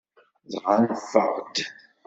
Dɣa neffeɣ-d.